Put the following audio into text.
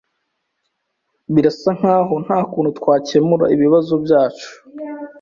Birasa nkaho nta kuntu twakemura ibibazo byacu.